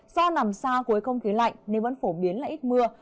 do nằm xa khối không khí lạnh nên vẫn phổ biến là ít mưa